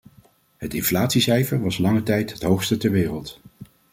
Het inflatiecijfer was lange tijd het hoogste ter wereld.